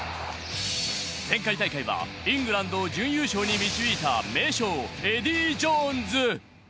前回大会はイングランドを準優勝に導いた名将、エディー・ジョーンズ。